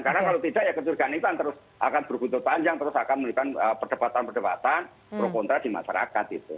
karena kalau tidak ya keturigaan itu akan terus berbentuk panjang terus akan menunjukan perdebatan perdebatan pro kontra di masyarakat itu